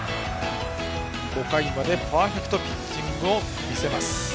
５回までパーフェクトピッチングを見せます。